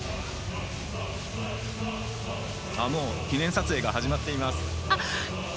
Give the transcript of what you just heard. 記念撮影が始まっています。